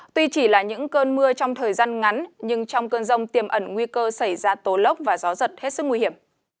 tuy chỉ là những cơn mưa trong thời gian ngắn nhưng trong cơn rông tiềm ẩn nguy cơ xảy ra tố lốc và gió giật hết sức nguy hiểm